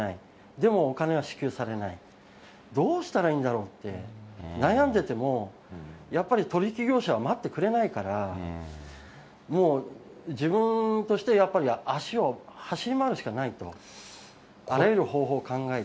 でも、お金は支給されない、どうしたらいいんだろうって悩んでても、やっぱり取り引き業者は待ってくれないから、もう自分として、やっぱり足を、走り回るしかないと、あらゆる方法を考えて。